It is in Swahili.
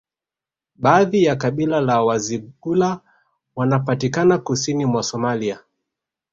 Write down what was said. Baadhi ya kabila la Wazigula wanapatikana kusini mwa Somalia